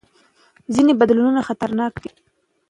ځینې بدلونونه خطرناک دي.